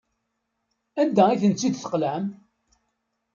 Anda ay tent-id-teqlam?